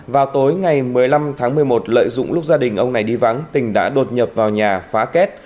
vào tối ngày một mươi năm tháng một mươi một lợi dụng lúc gia đình ông này đi vắng tỉnh đã đột nhập vào nhà phá kết